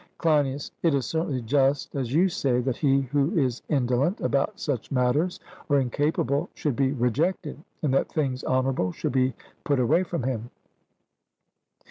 CLEINIAS: It is certainly just, as you say, that he who is indolent about such matters or incapable should be rejected, and that things honourable should be put away from him.